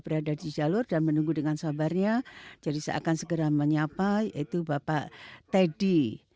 berada di jalur dan menunggu dengan sabarnya jadi saya akan segera menyapa yaitu bapak teddy